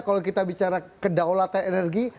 kalau kita bicara kedaulatan energi